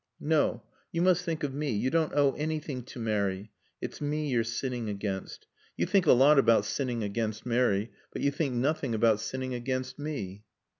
"No. You must think of me. You don't owe anything to Mary. It's me you're sinning against. You think a lot about sinning against Mary, but you think nothing about sinning against me."